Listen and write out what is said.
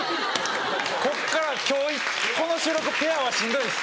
こっから今日この収録ペアはしんどいです。